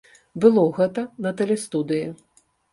Было гэта на тэлестудыі.